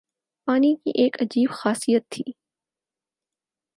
پانی کی ایک عجیب خاصیت تھی